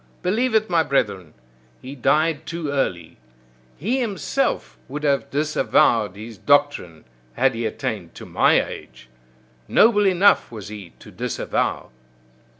Believe it, my brethren! He died too early; he himself would have disavowed his doctrine had he attained to my age! Noble enough was he to disavow!